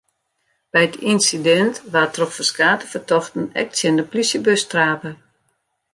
By it ynsidint waard troch ferskate fertochten ek tsjin de plysjebus trape.